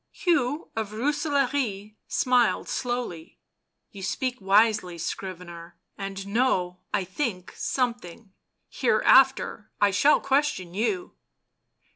Hugh of Rooselaare smiled slowly. " You speak wisely, scrivener, and know, I think, something; here after I shall question you."